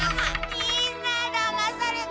みんなだまされた。